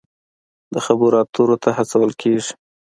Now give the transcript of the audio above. د خبرو اترو ته هڅول کیږي.